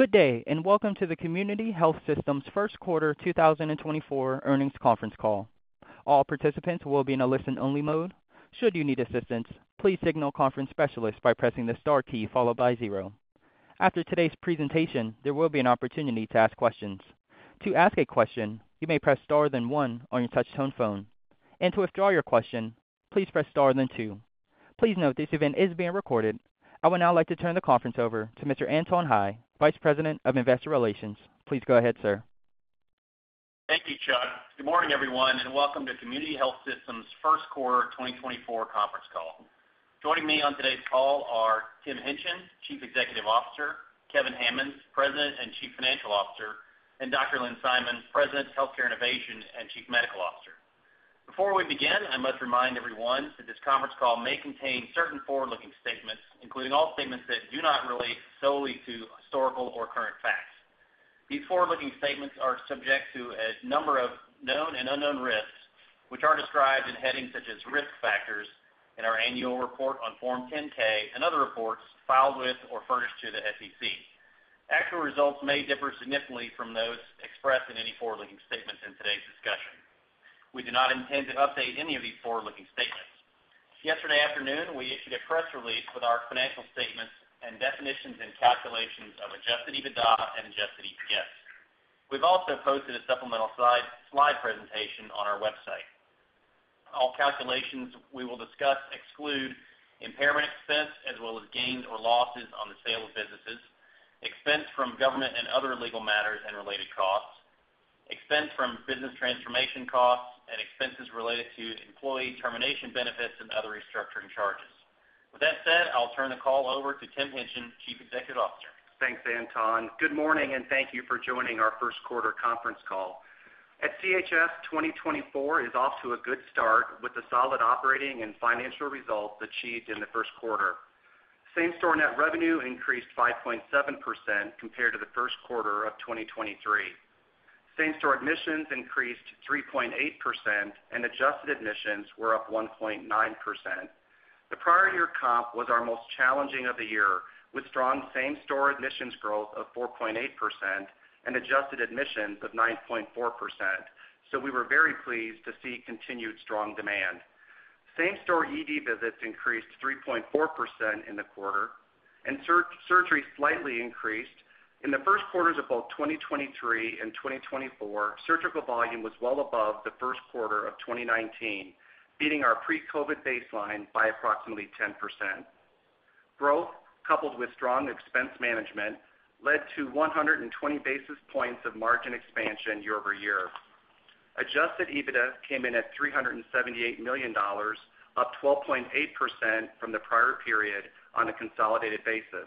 Good day and welcome to the Community Health Systems First Quarter 2024 earnings conference call. All participants will be in a listen-only mode. Should you need assistance, please signal the conference specialist by pressing the star key followed by zero. After today's presentation, there will be an opportunity to ask questions. To ask a question, you may press star then star on your touch-tone phone, and to withdraw your question, please press star then two. Please note, this event is being recorded. I would now like to turn the conference over to Mr. Anton Hie, Vice President of Investor Relations. Please go ahead, sir. Thank you, John. Good morning, everyone, and welcome to Community Health Systems first quarter 2024 conference call. Joining me on today's call are Tim Hingtgen, Chief Executive Officer; Kevin Hammons, President and Chief Financial Officer; and Dr. Lynn Simon, President, Healthcare Innovation, and Chief Medical Officer. Before we begin, I must remind everyone that this conference call may contain certain forward-looking statements, including all statements that do not relate solely to historical or current facts. These forward-looking statements are subject to a number of known and unknown risks, which are described in headings such as Risk Factors in our annual report on Form 10-K and other reports filed with or furnished to the SEC. Actual results may differ significantly from those expressed in any forward-looking statements in today's discussion. We do not intend to update any of these forward-looking statements. Yesterday afternoon, we issued a press release with our financial statements and definitions and calculations of Adjusted EBITDA and Adjusted EPS. We've also posted a supplemental slide presentation on our website. All calculations we will discuss exclude impairment expense as well as gains or losses on the sale of businesses, expense from government and other legal matters and related costs, expense from business transformation costs, and expenses related to employee termination benefits and other restructuring charges. With that said, I'll turn the call over to Tim Hingtgen, Chief Executive Officer. Thanks, Anton. Good morning, and thank you for joining our First quarter conference call. At CHS, 2024 is off to a good start with the solid operating and financial results achieved in the first quarter. Same-store net revenue increased 5.7% compared to the first quarter of 2023. Same-store admissions increased 3.8%, and adjusted admissions were up 1.9%. The prior year comp was our most challenging of the year, with strong same-store admissions growth of 4.8% and adjusted admissions of 9.4%, so we were very pleased to see continued strong demand. Same-store ED visits increased 3.4% in the quarter, and surgery slightly increased. In the first quarters of both 2023 and 2024, surgical volume was well above the first quarter of 2019, beating our pre-COVID baseline by approximately 10%. Growth, coupled with strong expense management, led to 120 basis points of margin expansion year-over-year. Adjusted EBITDA came in at $378 million, up 12.8% from the prior period on a consolidated basis,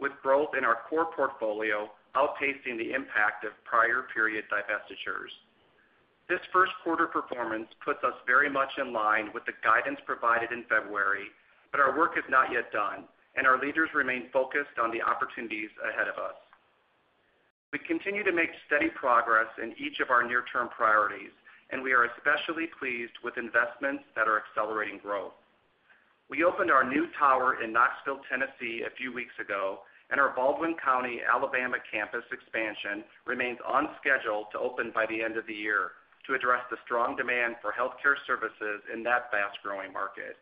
with growth in our core portfolio outpacing the impact of prior-period divestitures. This first quarter performance puts us very much in line with the guidance provided in February, but our work is not yet done, and our leaders remain focused on the opportunities ahead of us. We continue to make steady progress in each of our near-term priorities, and we are especially pleased with investments that are accelerating growth. We opened our new tower in Knoxville, Tennessee, a few weeks ago, and our Baldwin County, Alabama campus expansion remains on schedule to open by the end of the year to address the strong demand for healthcare services in that fast-growing market.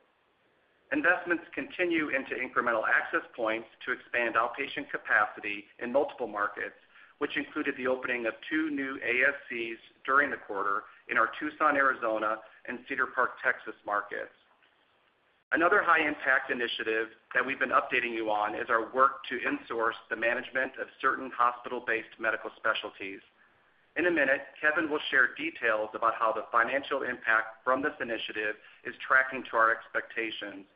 Investments continue into incremental access points to expand outpatient capacity in multiple markets, which included the opening of 2 new ASCs during the quarter in our Tucson, Arizona, and Cedar Park, Texas markets. Another high-impact initiative that we've been updating you on is our work to insource the management of certain hospital-based medical specialties. In a minute, Kevin will share details about how the financial impact from this initiative is tracking to our expectations,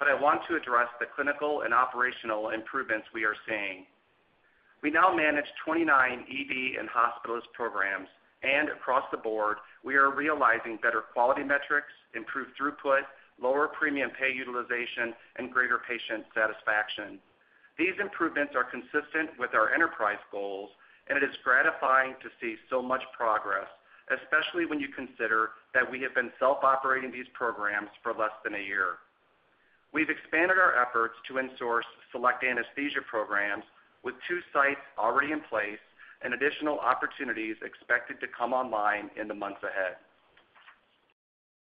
but I want to address the clinical and operational improvements we are seeing. We now manage 29 ED and hospitalist programs, and across the board, we are realizing better quality metrics, improved throughput, lower premium pay utilization, and greater patient satisfaction. These improvements are consistent with our enterprise goals, and it is gratifying to see so much progress, especially when you consider that we have been self-operating these programs for less than a year. We've expanded our efforts to insource select anesthesia programs with two sites already in place and additional opportunities expected to come online in the months ahead.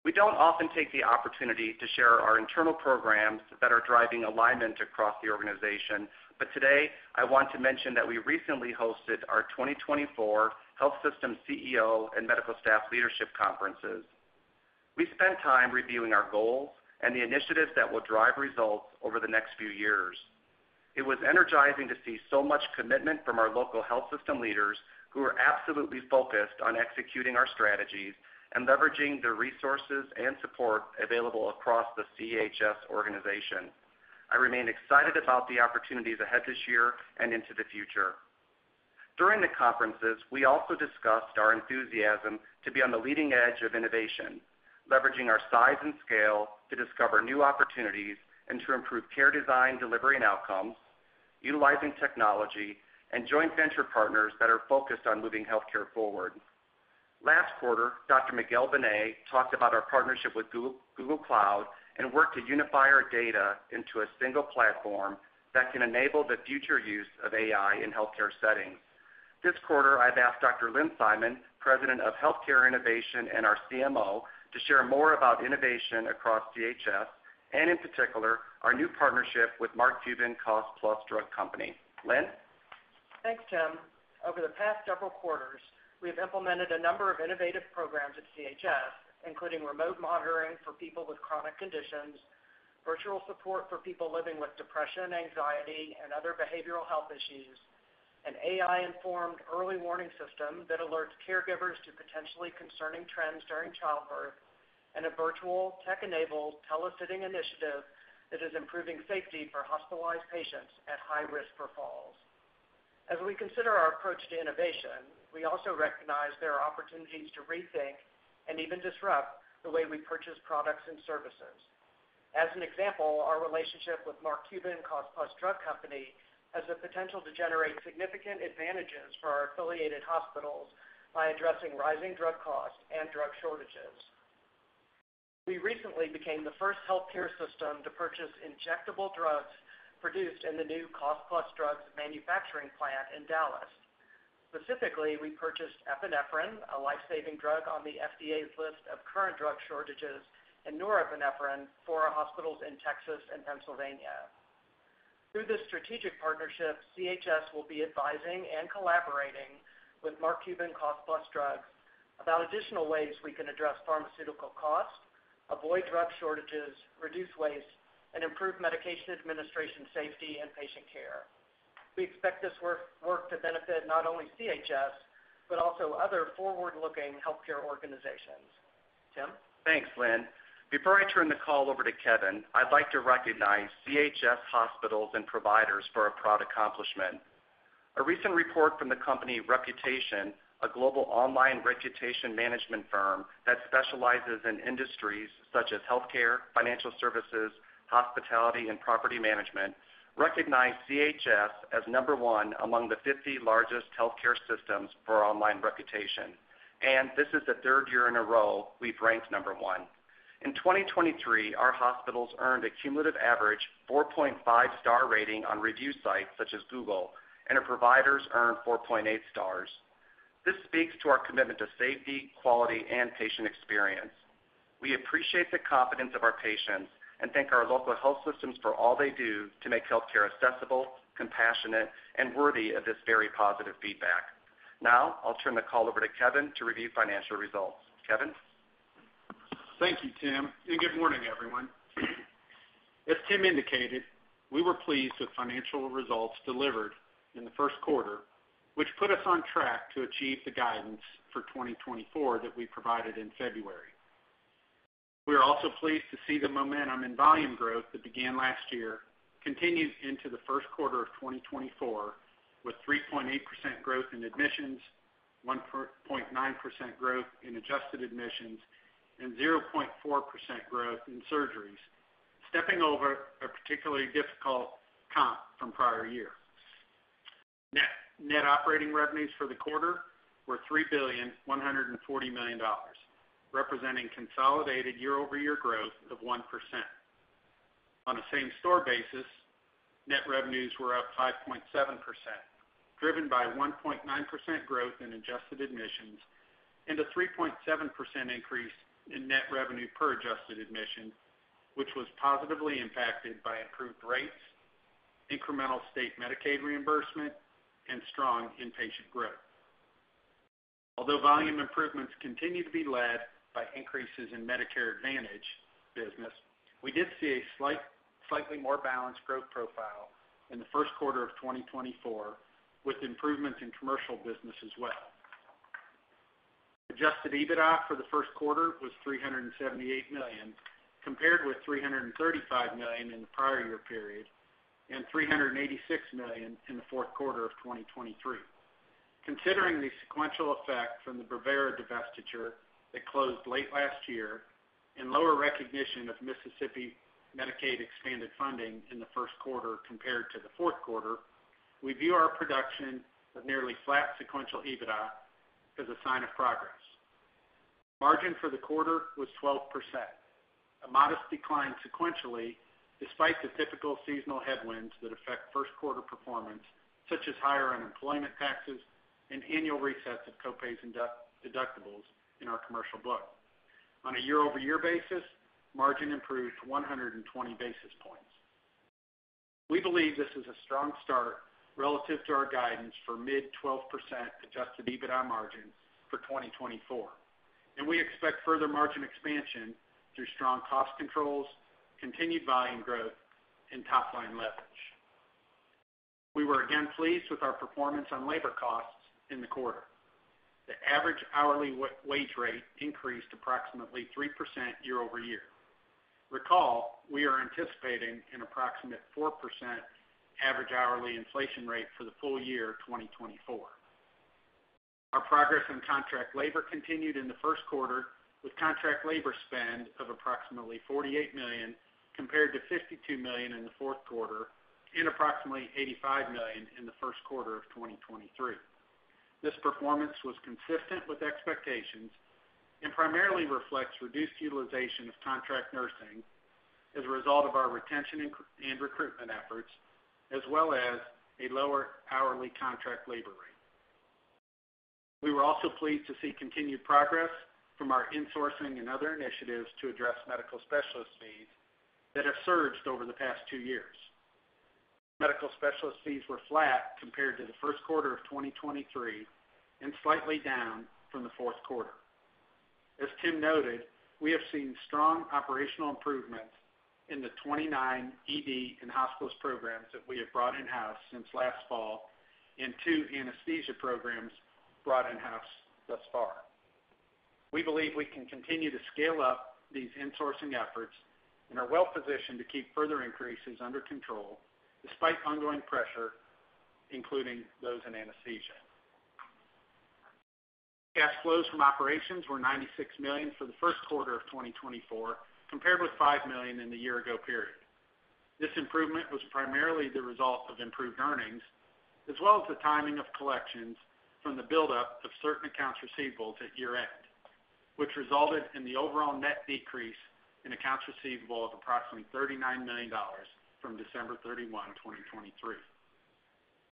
We don't often take the opportunity to share our internal programs that are driving alignment across the organization, but today I want to mention that we recently hosted our 2024 Health Systems CEO and Medical Staff Leadership Conferences. We spent time reviewing our goals and the initiatives that will drive results over the next few years. It was energizing to see so much commitment from our local health system leaders who are absolutely focused on executing our strategies and leveraging the resources and support available across the CHS organization. I remain excited about the opportunities ahead this year and into the future. During the conferences, we also discussed our enthusiasm to be on the leading edge of innovation, leveraging our size and scale to discover new opportunities and to improve care design, delivery, and outcomes, utilizing technology, and joint venture partners that are focused on moving healthcare forward. Last quarter, Dr. Miguel Benet talked about our partnership with Google Cloud and worked to unify our data into a single platform that can enable the future use of AI in healthcare settings. This quarter, I've asked Dr. Lynn Simon, President of Healthcare Innovation and our CMO, to share more about innovation across CHS and, in particular, our new partnership with Mark Cuban Cost Plus Drug Company. Lynn? Thanks, Tim. Over the past several quarters, we have implemented a number of innovative programs at CHS, including remote monitoring for people with chronic conditions, virtual support for people living with depression, anxiety, and other behavioral health issues, an AI-informed early warning system that alerts caregivers to potentially concerning trends during childbirth, and a virtual tech-enabled telesitting initiative that is improving safety for hospitalized patients at high risk for falls. As we consider our approach to innovation, we also recognize there are opportunities to rethink and even disrupt the way we purchase products and services. As an example, our relationship with Mark Cuban Cost Plus Drug Company has the potential to generate significant advantages for our affiliated hospitals by addressing rising drug costs and drug shortages. We recently became the first healthcare system to purchase injectable drugs produced in the new Cost Plus Drugs manufacturing plant in Dallas. Specifically, we purchased epinephrine, a lifesaving drug on the FDA's list of current drug shortages, and norepinephrine for our hospitals in Texas and Pennsylvania. Through this strategic partnership, CHS will be advising and collaborating with Mark Cuban Cost Plus Drugs about additional ways we can address pharmaceutical costs, avoid drug shortages, reduce waste, and improve medication administration safety and patient care. We expect this work to benefit not only CHS but also other forward-looking healthcare organizations. Tim? Thanks, Lynn. Before I turn the call over to Kevin, I'd like to recognize CHS hospitals and providers for a proud accomplishment. A recent report from the company Reputation, a global online reputation management firm that specializes in industries such as healthcare, financial services, hospitality, and property management, recognized CHS as number one among the 50 largest healthcare systems for online reputation, and this is the third year in a row we've ranked number one. In 2023, our hospitals earned a cumulative average 4.5-star rating on review sites such as Google, and our providers earned 4.8 stars. This speaks to our commitment to safety, quality, and patient experience. We appreciate the confidence of our patients and thank our local health systems for all they do to make healthcare accessible, compassionate, and worthy of this very positive feedback. Now I'll turn the call over to Kevin to review financial results. Kevin? Thank you, Tim, and good morning, everyone. As Tim indicated, we were pleased with financial results delivered in the first quarter, which put us on track to achieve the guidance for 2024 that we provided in February. We are also pleased to see the momentum in volume growth that began last year continue into the first quarter of 2024 with 3.8% growth in admissions, 1.9% growth in adjusted admissions, and 0.4% growth in surgeries, stepping over a particularly difficult comp from prior year. Net operating revenues for the quarter were $3.14 billion, representing consolidated year-over-year growth of 1%. On a same-store basis, net revenues were up 5.7%, driven by 1.9% growth in adjusted admissions and a 3.7% increase in net revenue per adjusted admission, which was positively impacted by improved rates, incremental state Medicaid reimbursement, and strong inpatient growth. Although volume improvements continue to be led by increases in Medicare Advantage business, we did see a slightly more balanced growth profile in the first quarter of 2024, with improvements in commercial business as well. Adjusted EBITDA for the first quarter was $378 million, compared with $335 million in the prior year period and $386 million in the fourth quarter of 2023. Considering the sequential effect from the Bravera divestiture that closed late last year and lower recognition of Mississippi Medicaid expanded funding in the first quarter compared to the fourth quarter, we view our production of nearly flat sequential EBITDA as a sign of progress. Margin for the quarter was 12%, a modest decline sequentially despite the typical seasonal headwinds that affect first-quarter performance, such as higher unemployment taxes and annual resets of copays and deductibles in our commercial book. On a year-over-year basis, margin improved 120 basis points. We believe this is a strong start relative to our guidance for mid-12% Adjusted EBITDA margin for 2024, and we expect further margin expansion through strong cost controls, continued volume growth, and top-line leverage. We were again pleased with our performance on labor costs in the quarter. The average hourly wage rate increased approximately 3% year-over-year. Recall, we are anticipating an approximate 4% average hourly inflation rate for the full year 2024. Our progress on contract labor continued in the first quarter, with contract labor spend of approximately $48 million compared to $52 million in the fourth quarter and approximately $85 million in the first quarter of 2023. This performance was consistent with expectations and primarily reflects reduced utilization of contract nursing as a result of our retention and recruitment efforts, as well as a lower hourly contract labor rate. We were also pleased to see continued progress from our insourcing and other initiatives to address medical specialist fees that have surged over the past two years. Medical specialist fees were flat compared to the first quarter of 2023 and slightly down from the fourth quarter. As Tim noted, we have seen strong operational improvements in the 29 ED and hospitalist programs that we have brought in-house since last fall and two anesthesia programs brought in-house thus far. We believe we can continue to scale up these insourcing efforts and are well positioned to keep further increases under control despite ongoing pressure, including those in anesthesia. Cash flows from operations were $96 million for the first quarter of 2024 compared with $5 million in the year-ago period. This improvement was primarily the result of improved earnings, as well as the timing of collections from the buildup of certain accounts receivable at year-end, which resulted in the overall net decrease in accounts receivable of approximately $39 million from December 31, 2023.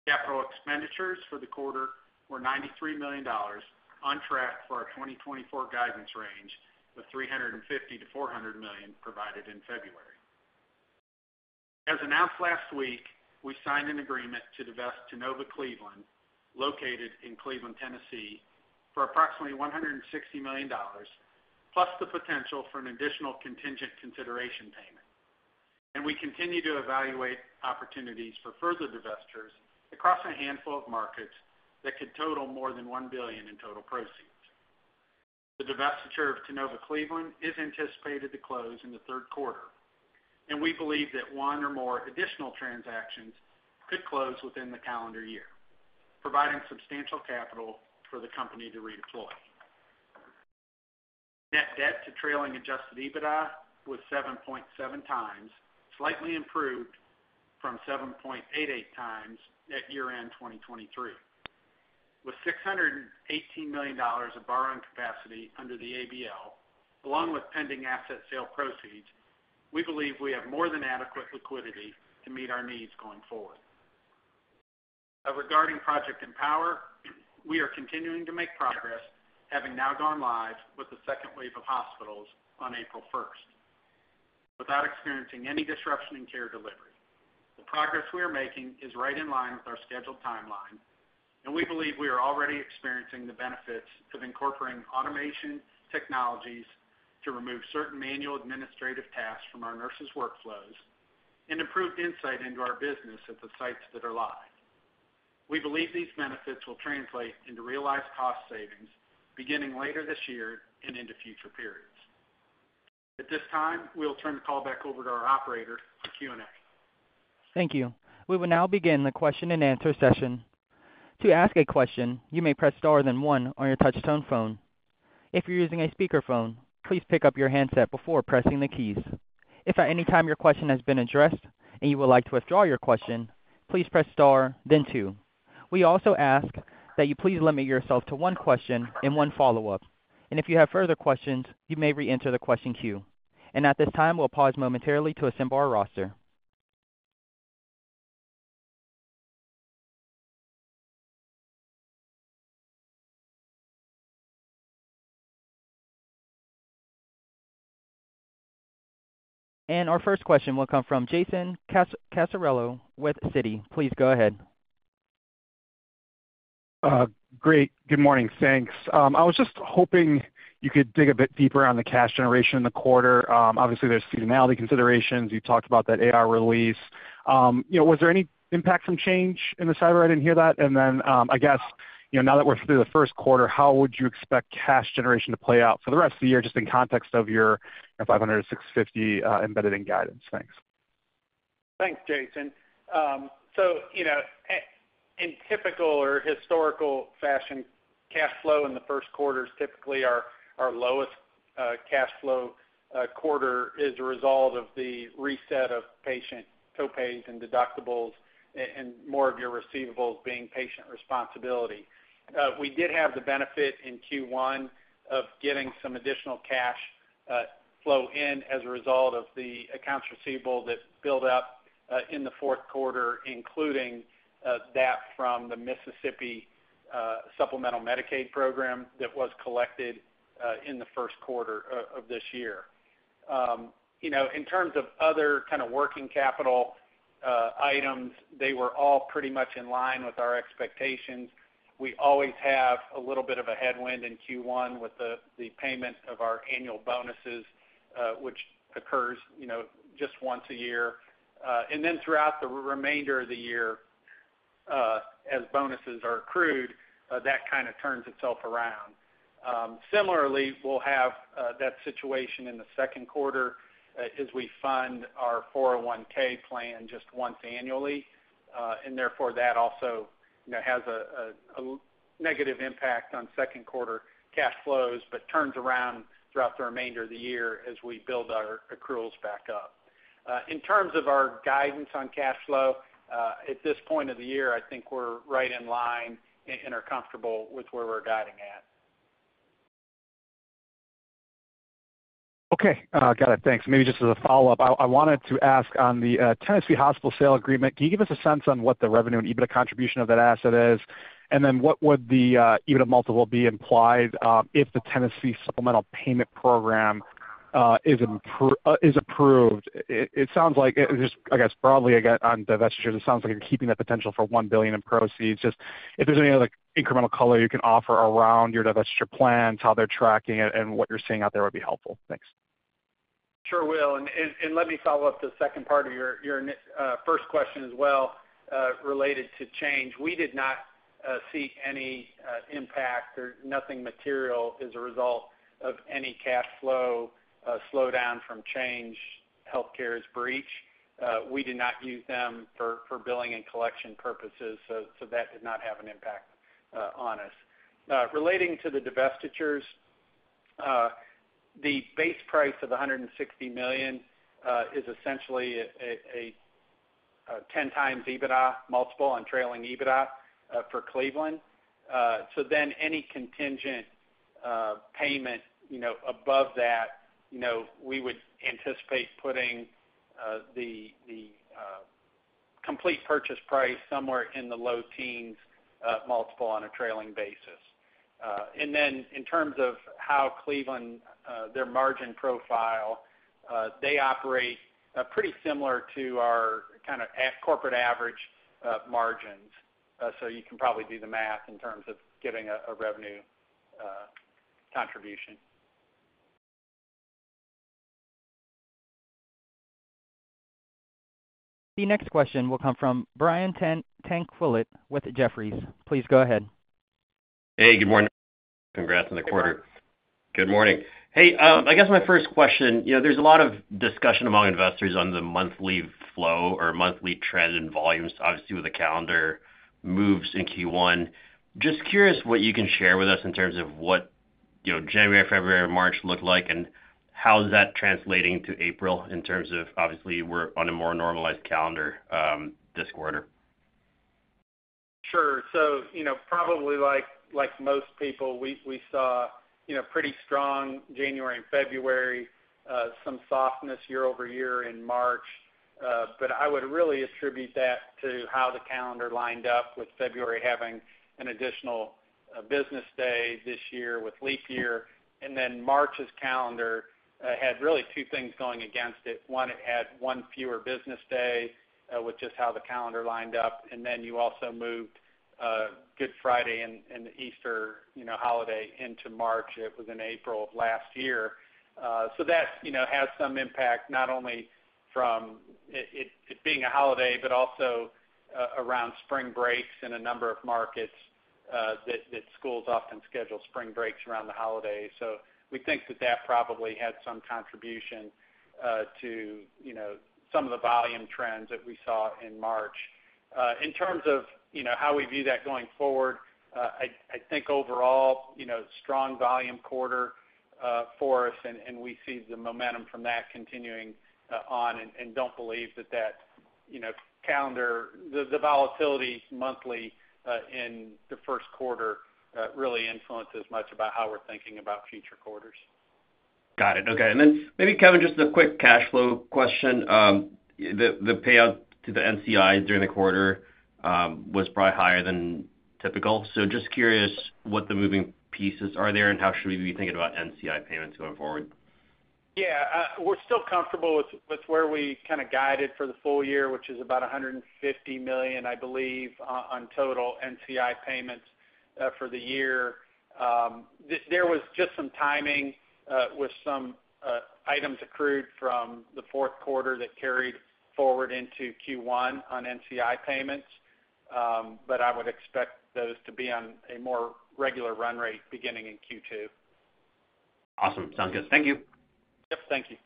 Capital expenditures for the quarter were $93 million, on track for our 2024 guidance range of $350 million-$400 million provided in February. As announced last week, we signed an agreement to divest Tennova Cleveland, located in Cleveland, Tennessee, for approximately $160 million, plus the potential for an additional contingent consideration payment, and we continue to evaluate opportunities for further divestitures across a handful of markets that could total more than $1 billion in total proceeds. The divestiture of Tennova Cleveland is anticipated to close in the third quarter, and we believe that one or more additional transactions could close within the calendar year, providing substantial capital for the company to redeploy. Net debt to trailing adjusted EBITDA was 7.7x, slightly improved from 7.88x at year-end 2023. With $618 million of borrowing capacity under the ABL, along with pending asset sale proceeds, we believe we have more than adequate liquidity to meet our needs going forward. Regarding Project EMPOWER, we are continuing to make progress, having now gone live with the second wave of hospitals on April 1st, without experiencing any disruption in care delivery. The progress we are making is right in line with our scheduled timeline, and we believe we are already experiencing the benefits of incorporating automation technologies to remove certain manual administrative tasks from our nurses' workflows, and improved insight into our business at the sites that are live. We believe these benefits will translate into realized cost savings beginning later this year and into future periods. At this time, we will turn the call back over to our operator for Q&A. Thank you. We will now begin the question-and-answer session. To ask a question, you may press star then one on your touch-tone phone. If you're using a speakerphone, please pick up your handset before pressing the keys. If at any time your question has been addressed and you would like to withdraw your question, please press star then two. We also ask that you please limit yourself to one question and one follow-up, and if you have further questions, you may re-enter the question queue. At this time, we'll pause momentarily to assemble our roster. Our first question will come from Jason Cassorla with Citi. Please go ahead. Great. Good morning. Thanks. I was just hoping you could dig a bit deeper on the cash generation in the quarter. Obviously, there's seasonality considerations. You talked about that AR release. Was there any impact from the Change Healthcare cyber? I didn't hear that. And then, I guess, now that we're through the first quarter, how would you expect cash generation to play out for the rest of the year, just in context of your $500-$650 embedded in guidance? Thanks. Thanks, Jason. So in typical or historical fashion, cash flow in the first quarters typically our lowest cash flow quarter is a result of the reset of patient copays and deductibles and more of your receivables being patient responsibility. We did have the benefit in Q1 of getting some additional cash flow in as a result of the accounts receivable that built up in the fourth quarter, including that from the Mississippi Supplemental Medicaid program that was collected in the first quarter of this year. In terms of other kind of working capital items, they were all pretty much in line with our expectations. We always have a little bit of a headwind in Q1 with the payment of our annual bonuses, which occurs just once a year. Then throughout the remainder of the year, as bonuses are accrued, that kind of turns itself around. Similarly, we'll have that situation in the second quarter as we fund our 401(k) plan just once annually, and therefore that also has a negative impact on second quarter cash flows but turns around throughout the remainder of the year as we build our accruals back up. In terms of our guidance on cash flow, at this point of the year, I think we're right in line and are comfortable with where we're guiding at. Okay. Got it. Thanks. Maybe just as a follow-up, I wanted to ask on the Tennessee hospital sale agreement, can you give us a sense on what the revenue and EBITDA contribution of that asset is, and then what would the EBITDA multiple be implied if the Tennessee Supplemental Payment Program is approved? It sounds like, I guess, broadly on divestitures, it sounds like you're keeping that potential for $1 billion in proceeds. Just if there's any other incremental color you can offer around your divestiture plans, how they're tracking it, and what you're seeing out there would be helpful. Thanks. Sure will. And let me follow up the second part of your first question as well related to Change. We did not see any impact or nothing material as a result of any cash flow slowdown from Change Healthcare's breach. We did not use them for billing and collection purposes, so that did not have an impact on us. Relating to the divestitures, the base price of $160 million is essentially a 10x EBITDA multiple on trailing EBITDA for Cleveland. So then any contingent payment above that, we would anticipate putting the complete purchase price somewhere in the low teens multiple on a trailing basis. And then in terms of how Cleveland, their margin profile, they operate pretty similar to our kind of corporate average margins. So you can probably do the math in terms of giving a revenue contribution. The next question will come from Brian Tanquilut with Jefferies. Please go ahead. Hey. Good morning. Congrats on the quarter. Good morning. Hey, I guess my first question, there's a lot of discussion among investors on the monthly flow or monthly trend and volumes, obviously, with the calendar moves in Q1. Just curious what you can share with us in terms of what January, February, March looked like, and how is that translating to April in terms of, obviously, we're on a more normalized calendar this quarter. Sure. So probably like most people, we saw pretty strong January and February, some softness year over year in March. But I would really attribute that to how the calendar lined up with February having an additional business day this year with leap year. And then March's calendar had really two things going against it. One, it had one fewer business day with just how the calendar lined up. And then you also moved Good Friday and the Easter holiday into March. It was in April of last year. So that has some impact not only from it being a holiday but also around spring breaks in a number of markets that schools often schedule spring breaks around the holiday. So we think that that probably had some contribution to some of the volume trends that we saw in March. In terms of how we view that going forward, I think overall, strong volume quarter for us, and we see the momentum from that continuing on. And don't believe that the calendar, the volatility monthly in the first quarter really influences much about how we're thinking about future quarters. Got it. Okay. Then maybe, Kevin, just a quick cash flow question. The payout to the NCI during the quarter was probably higher than typical. Just curious what the moving pieces are there and how should we be thinking about NCI payments going forward? Yeah. We're still comfortable with where we kind of guided for the full year, which is about $150 million, I believe, on total NCI payments for the year. There was just some timing with some items accrued from the fourth quarter that carried forward into Q1 on NCI payments, but I would expect those to be on a more regular run rate beginning in Q2. Awesome. Sounds good. Thank you. Yep. Thank you.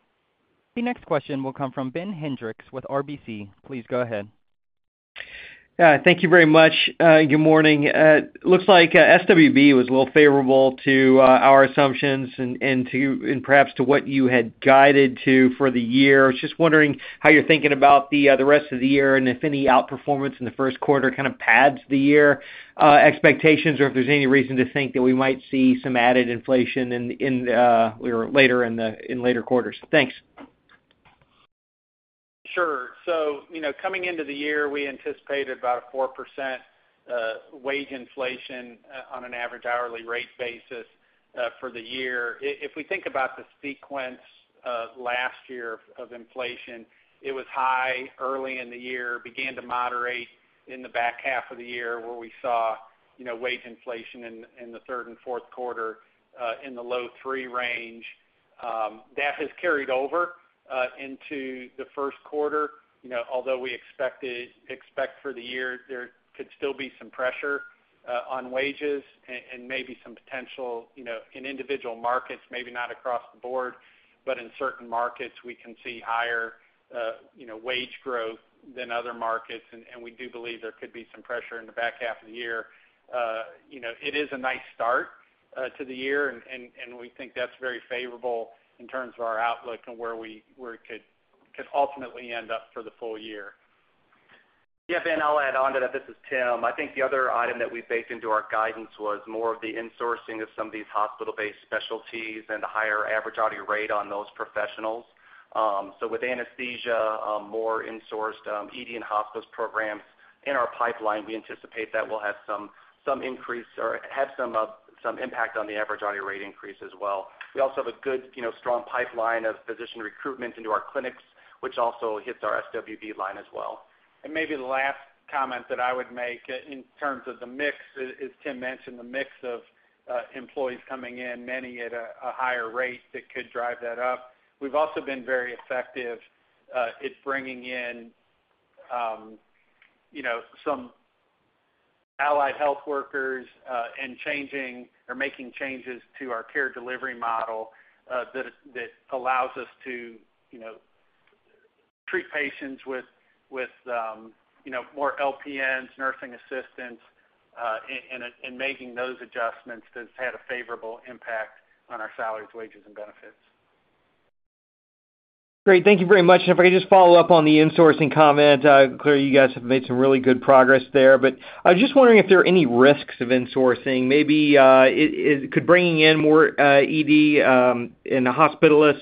The next question will come from Ben Hendrix with RBC. Please go ahead. Yeah. Thank you very much. Good morning. Looks like SWB was a little favorable to our assumptions and perhaps to what you had guided to for the year. Just wondering how you're thinking about the rest of the year and if any outperformance in the first quarter kind of pads the year expectations or if there's any reason to think that we might see some added inflation later in later quarters? Thanks. Sure. So coming into the year, we anticipated about a 4% wage inflation on an average hourly rate basis for the year. If we think about the sequence last year of inflation, it was high early in the year, began to moderate in the back half of the year where we saw wage inflation in the third and fourth quarter in the low 3 range. That has carried over into the first quarter. Although we expect for the year, there could still be some pressure on wages and maybe some potential in individual markets, maybe not across the board, but in certain markets, we can see higher wage growth than other markets. We do believe there could be some pressure in the back half of the year. It is a nice start to the year, and we think that's very favorable in terms of our outlook and where it could ultimately end up for the full year. Yeah, Ben, I'll add on to that. This is Tim. I think the other item that we baked into our guidance was more of the insourcing of some of these hospital-based specialties and the higher average hourly rate on those professionals. So with anesthesia, more insourced ED and hospitalist programs in our pipeline, we anticipate that will have some increase or have some impact on the average hourly rate increase as well. We also have a good, strong pipeline of physician recruitment into our clinics, which also hits our SWB line as well. Maybe the last comment that I would make in terms of the mix is Tim mentioned the mix of employees coming in, many at a higher rate that could drive that up. We've also been very effective at bringing in some allied health workers and changing or making changes to our care delivery model that allows us to treat patients with more LPNs, nursing assistants, and making those adjustments that's had a favorable impact on our salaries, wages, and benefits. Great. Thank you very much. And if I could just follow up on the insourcing comment, clearly you guys have made some really good progress there. But I was just wondering if there are any risks of insourcing. Maybe could bringing in more ED and hospitalists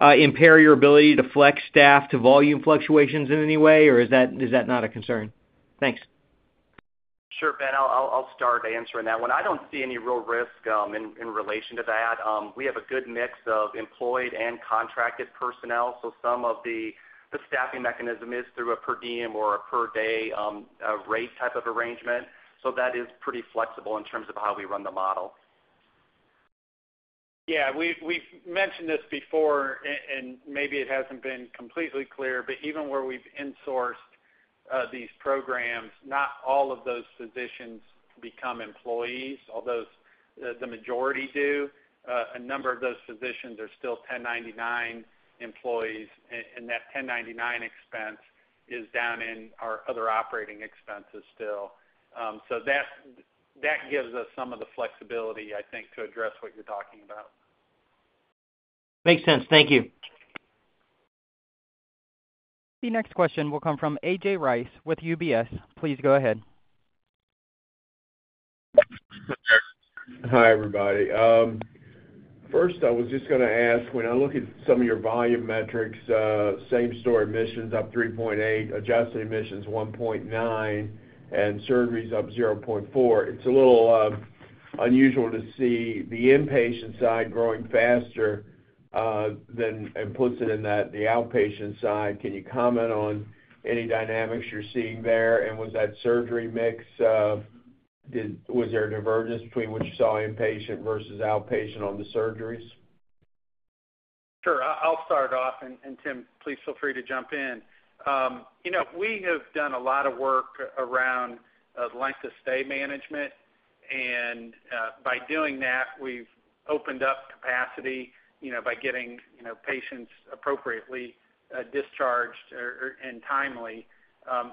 impair your ability to flex staff to volume fluctuations in any way, or is that not a concern? Thanks. Sure, Ben. I'll start answering that one. I don't see any real risk in relation to that. We have a good mix of employed and contracted personnel. So some of the staffing mechanism is through a per diem or a per day rate type of arrangement. So that is pretty flexible in terms of how we run the model. Yeah. We've mentioned this before, and maybe it hasn't been completely clear, but even where we've insourced these programs, not all of those physicians become employees, although the majority do. A number of those physicians are still 1099 employees, and that 1099 expense is down in our other operating expenses still. So that gives us some of the flexibility, I think, to address what you're talking about. Makes sense. Thank you. The next question will come from A.J. Rice with UBS. Please go ahead. Hi, everybody. First, I was just going to ask, when I look at some of your volume metrics, same-store admissions up 3.8, Adjusted Admissions 1.9, and surgeries up 0.4, it's a little unusual to see the inpatient side growing faster than the outpatient side. Can you comment on any dynamics you're seeing there? And was that surgery mix? Was there a divergence between what you saw inpatient versus outpatient on the surgeries? Sure. I'll start off, and Tim, please feel free to jump in. We have done a lot of work around length of stay management. By doing that, we've opened up capacity by getting patients appropriately discharged and timely.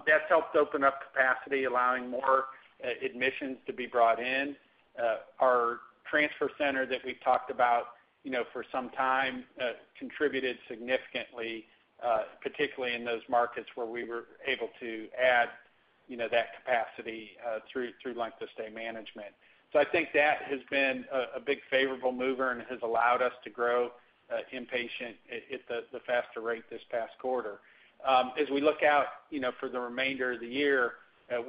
That's helped open up capacity, allowing more admissions to be brought in. Our transfer center that we've talked about for some time contributed significantly, particularly in those markets where we were able to add that capacity through length of stay management. So I think that has been a big favorable mover and has allowed us to grow inpatient at the faster rate this past quarter. As we look out for the remainder of the year,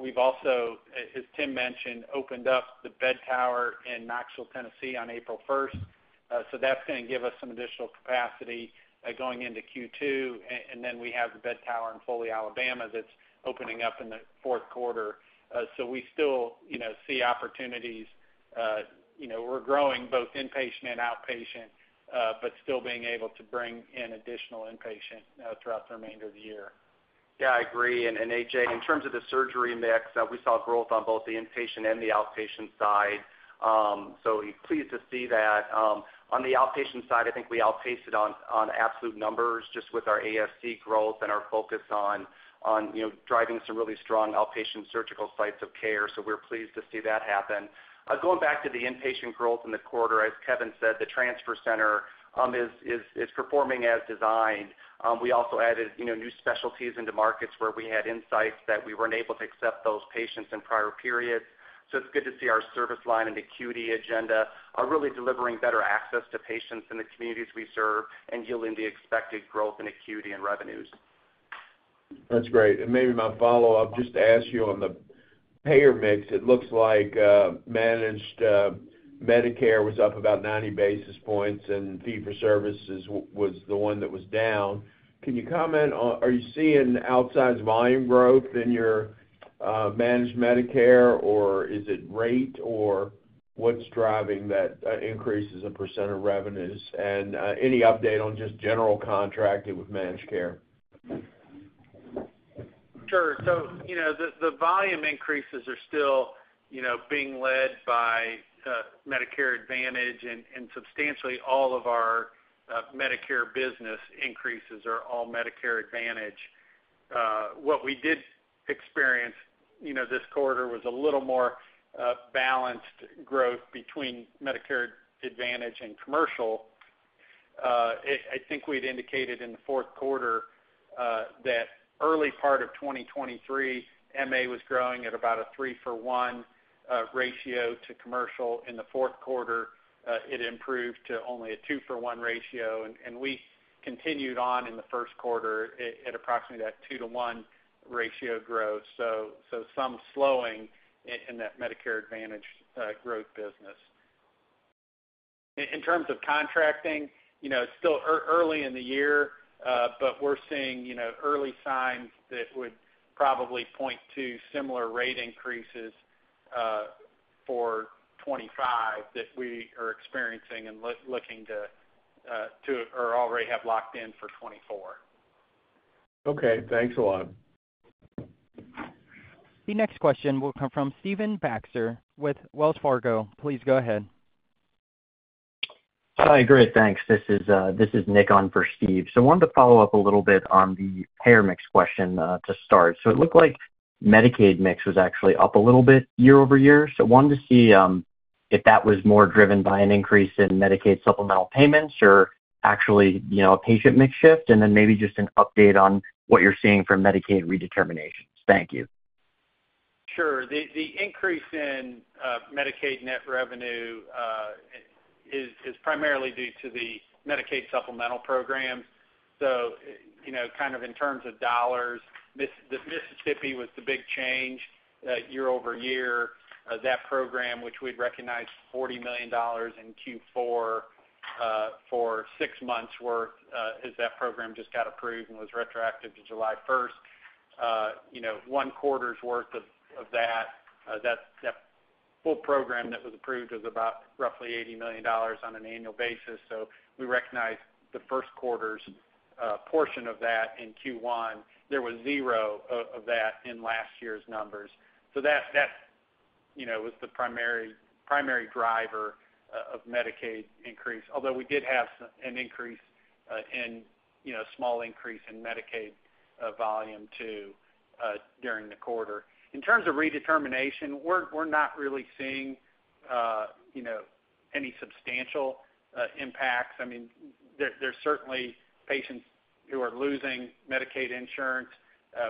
we've also, as Tim mentioned, opened up the bed tower in Knoxville, Tennessee, on April 1st. So that's going to give us some additional capacity going into Q2. And then we have the bed tower in Foley, Alabama that's opening up in the fourth quarter. So we still see opportunities. We're growing both inpatient and outpatient but still being able to bring in additional inpatient throughout the remainder of the year. Yeah. I agree. And A.J., in terms of the surgery mix, we saw growth on both the inpatient and the outpatient side. So pleased to see that. On the outpatient side, I think we outpaced it on absolute numbers just with our ASC growth and our focus on driving some really strong outpatient surgical sites of care. So we're pleased to see that happen. Going back to the inpatient growth in the quarter, as Kevin said, the transfer center is performing as designed. We also added new specialties into markets where we had insights that we weren't able to accept those patients in prior periods. So it's good to see our service line and acuity agenda are really delivering better access to patients in the communities we serve and yielding the expected growth in acuity and revenues. That's great. And maybe my follow-up, just to ask you on the payer mix, it looks like managed Medicare was up about 90 basis points, and fee for services was the one that was down. Can you comment on are you seeing outsized volume growth in your managed Medicare, or is it rate, or what's driving that increase as a % of revenues? And any update on just general contracting with managed care? Sure. So the volume increases are still being led by Medicare Advantage, and substantially all of our Medicare business increases are all Medicare Advantage. What we did experience this quarter was a little more balanced growth between Medicare Advantage and commercial. I think we'd indicated in the fourth quarter that early part of 2023, MA was growing at about a 3-for-1 ratio to commercial. In the fourth quarter, it improved to only a 2-for-1 ratio. And we continued on in the first quarter at approximately that 2-to-1 ratio growth, so some slowing in that Medicare Advantage growth business. In terms of contracting, it's still early in the year, but we're seeing early signs that would probably point to similar rate increases for 2025 that we are experiencing and looking to or already have locked in for 2024. Okay. Thanks a lot. The next question will come from Stephen Baxter with Wells Fargo. Please go ahead. Hi. Great. Thanks. This is Nick on for Steve. So I wanted to follow up a little bit on the payer mix question to start. So it looked like Medicaid mix was actually up a little bit year-over-year. So I wanted to see if that was more driven by an increase in Medicaid supplemental payments or actually a patient mix shift, and then maybe just an update on what you're seeing from Medicaid redeterminations. Thank you. Sure. The increase in Medicaid net revenue is primarily due to the Medicaid supplemental programs. So kind of in terms of dollars, Mississippi was the big change year-over-year. That program, which we'd recognized $40 million in Q4 for 6 months' worth, as that program just got approved and was retroactive to July 1st, one quarter's worth of that. That full program that was approved was about roughly $80 million on an annual basis. So we recognized the first quarter's portion of that in Q1. There was zero of that in last year's numbers. So that was the primary driver of Medicaid increase, although we did have a small increase in Medicaid volume too during the quarter. In terms of redetermination, we're not really seeing any substantial impacts. I mean, there's certainly patients who are losing Medicaid insurance.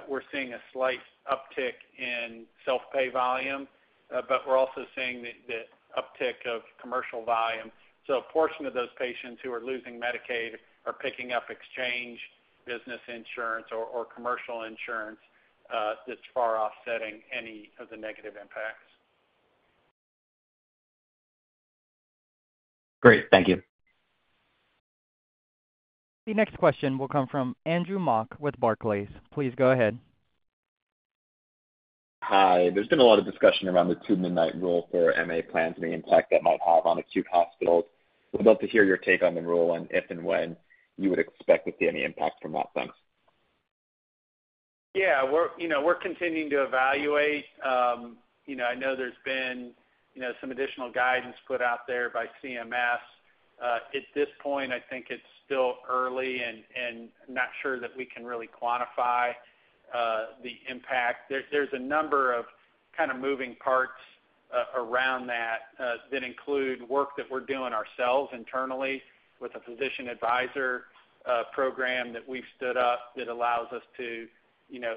We're seeing a slight uptick in self-pay volume, but we're also seeing the uptick of commercial volume. So a portion of those patients who are losing Medicaid are picking up exchange business insurance or commercial insurance that's far offsetting any of the negative impacts. Great. Thank you. The next question will come from Andrew Mok with Barclays. Please go ahead. Hi. There's been a lot of discussion around the Two-Midnight Rule for MA plans and the impact that might have on acute hospitals. I'd love to hear your take on the rule and if and when you would expect to see any impact from that. Thanks. Yeah. We're continuing to evaluate. I know there's been some additional guidance put out there by CMS. At this point, I think it's still early and not sure that we can really quantify the impact. There's a number of kind of moving parts around that that include work that we're doing ourselves internally with a physician advisor program that we've stood up that allows us to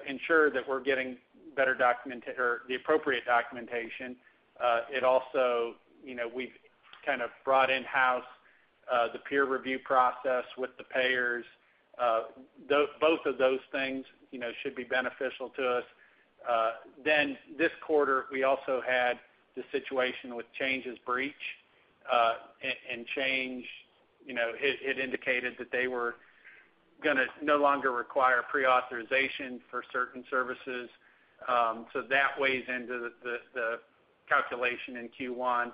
ensure that we're getting better documentation or the appropriate documentation. It also we've kind of brought in-house the peer review process with the payers. Both of those things should be beneficial to us. Then this quarter, we also had the situation with Change Healthcare breach. It indicated that they were going to no longer require pre-authorization for certain services. So that weighs into the calculation in Q1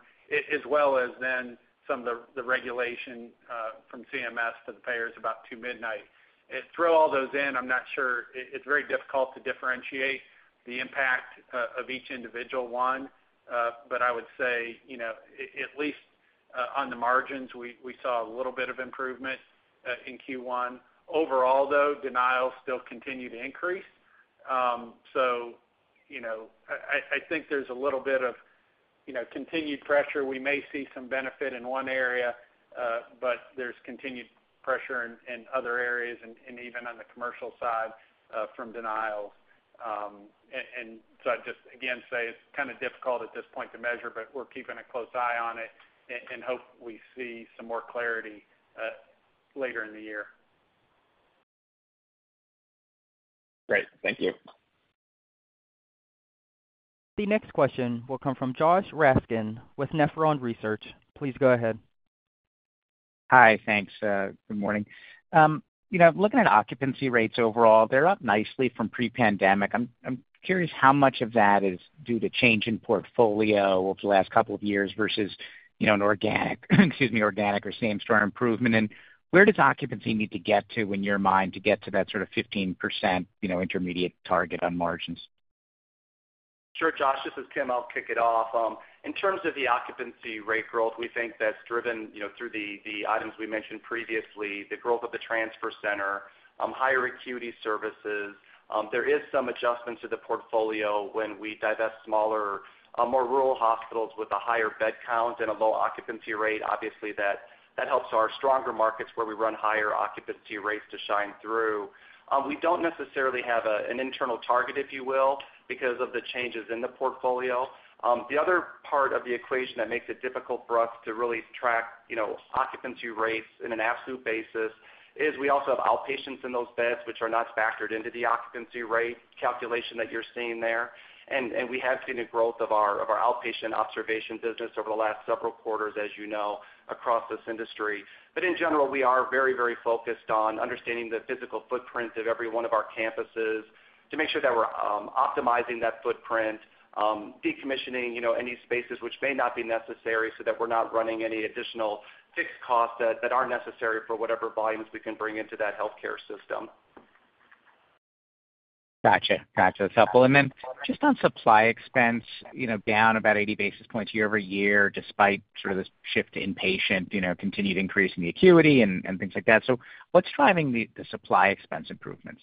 as well as then some of the regulation from CMS to the payers about two-midnight. Throw all those in. I'm not sure. It's very difficult to differentiate the impact of each individual one, but I would say at least on the margins, we saw a little bit of improvement in Q1. Overall, though, denials still continue to increase. So I think there's a little bit of continued pressure. We may see some benefit in one area, but there's continued pressure in other areas and even on the commercial side from denials. And so I'd just, again, say it's kind of difficult at this point to measure, but we're keeping a close eye on it and hope we see some more clarity later in the year. Great. Thank you. The next question will come from Josh Raskin with Nephron Research. Please go ahead. Hi. Thanks. Good morning. Looking at occupancy rates overall, they're up nicely from pre-pandemic. I'm curious how much of that is due to change in portfolio over the last couple of years versus an organic excuse me, organic or same-store improvement. And where does occupancy need to get to in your mind to get to that sort of 15% intermediate target on margins? Sure, Josh. This is Tim. I'll kick it off. In terms of the occupancy rate growth, we think that's driven through the items we mentioned previously, the growth of the transfer center, higher acuity services. There is some adjustment to the portfolio when we divest smaller, more rural hospitals with a higher bed count and a low occupancy rate. Obviously, that helps our stronger markets where we run higher occupancy rates to shine through. We don't necessarily have an internal target, if you will, because of the changes in the portfolio. The other part of the equation that makes it difficult for us to really track occupancy rates in an absolute basis is we also have outpatients in those beds, which are not factored into the occupancy rate calculation that you're seeing there. We have seen a growth of our outpatient observation business over the last several quarters, as you know, across this industry. In general, we are very, very focused on understanding the physical footprint of every one of our campuses to make sure that we're optimizing that footprint, decommissioning any spaces which may not be necessary so that we're not running any additional fixed costs that aren't necessary for whatever volumes we can bring into that healthcare system. Gotcha. Gotcha. That's helpful. And then just on supply expense, down about 80 basis points year-over-year despite sort of this shift to inpatient, continued increase in the acuity and things like that. So what's driving the supply expense improvements?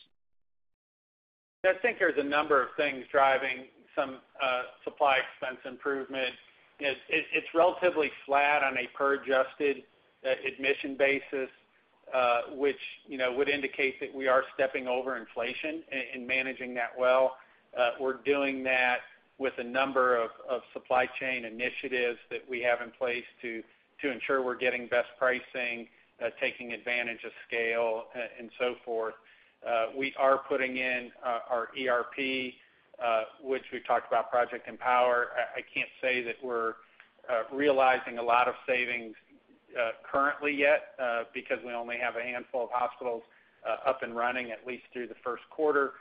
I think there's a number of things driving some supply expense improvement. It's relatively flat on a per-Adjusted Admission basis, which would indicate that we are stepping over inflation and managing that well. We're doing that with a number of supply chain initiatives that we have in place to ensure we're getting best pricing, taking advantage of scale, and so forth. We are putting in our ERP, which we've talked about, Project EMPOWER. I can't say that we're realizing a lot of savings currently yet because we only have a handful of hospitals up and running, at least through the first quarter.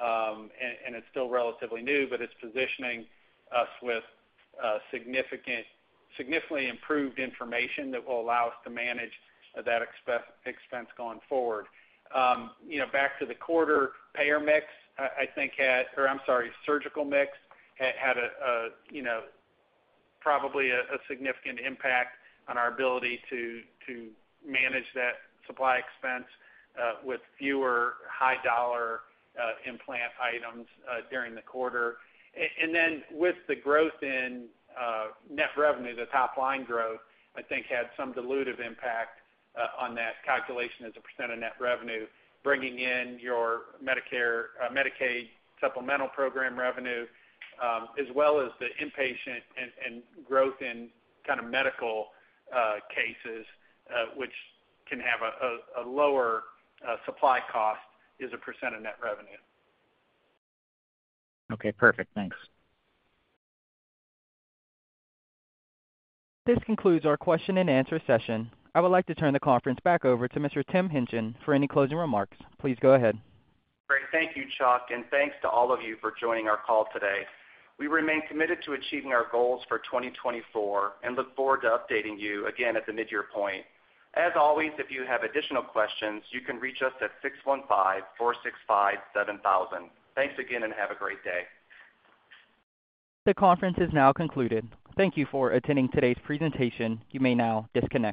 It's still relatively new, but it's positioning us with significantly improved information that will allow us to manage that expense going forward. Back to the quarter, payer mix, I think had or I'm sorry, surgical mix had probably a significant impact on our ability to manage that supply expense with fewer high-dollar implant items during the quarter. And then with the growth in net revenue, the top-line growth, I think, had some dilutive impact on that calculation as a percent of net revenue, bringing in your Medicaid supplemental program revenue as well as the inpatient and growth in kind of medical cases, which can have a lower supply cost as a percent of net revenue. Okay. Perfect. Thanks. This concludes our question-and-answer session. I would like to turn the conference back over to Mr. Tim Hingtgen for any closing remarks. Please go ahead. Great. Thank you, Chuck, and thanks to all of you for joining our call today. We remain committed to achieving our goals for 2024 and look forward to updating you again at the midyear point. As always, if you have additional questions, you can reach us at 615-465-7000. Thanks again, and have a great day. The conference is now concluded. Thank you for attending today's presentation. You may now disconnect.